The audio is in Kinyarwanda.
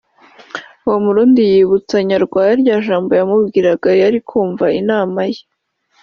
uwo murundi yibutsa Nyarwaya rya jambo yamubwiraga yari kumva inama ye